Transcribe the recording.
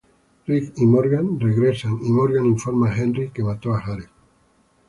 Rick y Morgan regresan, y Morgan informa a Henry que mató a Jared.